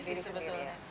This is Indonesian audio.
diri sendiri sih sebetulnya